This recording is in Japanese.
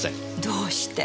どうして？